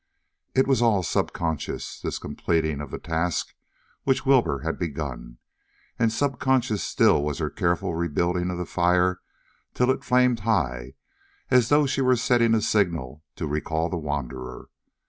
It was all subconscious, this completing of the task which Wilbur had begun, and subconscious still was her careful rebuilding of the fire till it flamed high, as though she were setting a signal to recall the wanderer.